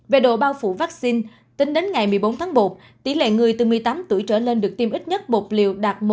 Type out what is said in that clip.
về độ bao phủ vaccine tính đến ngày một mươi bốn tháng một tỷ lệ người từ một mươi tám tuổi trở lên được tiêm ít nhất bột liều đạt một